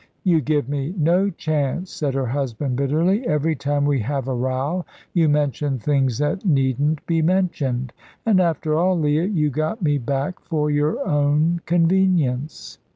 "You give me no chance," said her husband, bitterly. "Every time we have a row you mention things that needn't be mentioned. And after all, Leah, you got me back for your own convenience."